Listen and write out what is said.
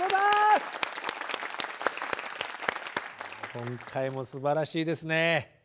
今回もすばらしいですね。